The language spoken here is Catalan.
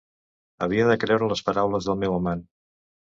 Havia de creure les paraules del meu amant.